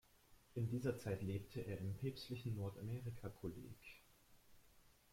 In dieser Zeit lebte er im Päpstlichen Nordamerika-Kolleg.